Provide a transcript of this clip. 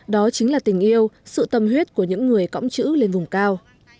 đó chính là tình yêu sự tâm huyết của những người cõng chữ lên vùng cao